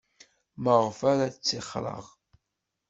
Maɣef ara ttixreɣ?